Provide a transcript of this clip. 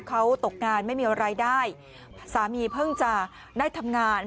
เขาตกงานไม่มีอะไรได้สามีเพิ่งจะได้ทำงาน